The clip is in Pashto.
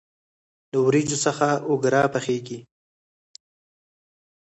له وریجو څخه اوگره پخیږي.